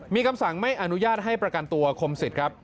มีคำสั่งไม่อนุญาตให้ประกันตัวคมสิทธิ์ครับ